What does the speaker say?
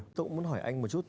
tôi cũng muốn hỏi anh một chút